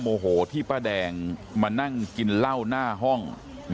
โมโหที่ป้าแดงมานั่งกินเหล้าหน้าห้อง